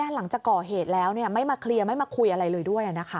หลังจากก่อเหตุแล้วไม่มาเคลียร์ไม่มาคุยอะไรเลยด้วย